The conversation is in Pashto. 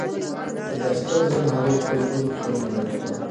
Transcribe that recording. د بایسکل زنګ هغه له خپلو بدو خیالونو راویښ کړ.